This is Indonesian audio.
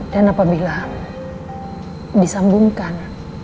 dan apabila disambungkan